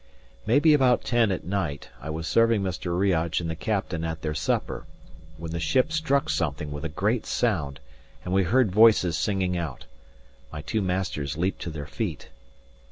Maybe about ten at night, I was serving Mr. Riach and the captain at their supper, when the ship struck something with a great sound, and we heard voices singing out. My two masters leaped to their feet.